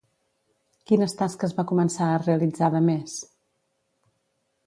Quines tasques va començar a realitzar de més?